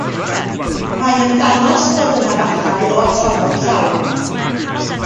Mae'n ymddangos bod yna fathau o atalnod llawn.